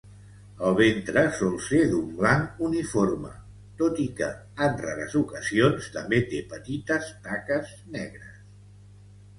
El ventre sol ser d'un blanc uniforme, tot i que en rares ocasions també té petites taques negres.